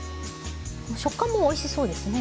食感もおいしそうですね。